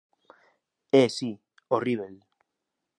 –É si, horríbel.